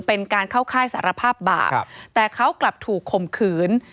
เป็นการเข้าค่ายสารภาพบาปแต่เขากลับถูกข่มขืน